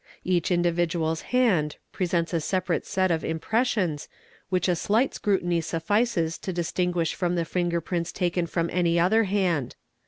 Hach individual's hand presents a separate set of im ressions which a slight scrutiny suffices to distinguish from the finger ints taken from any other hand.